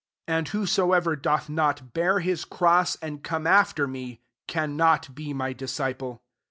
27 And whosoever doth not bear his cross, and come after me, cannot be my disciple.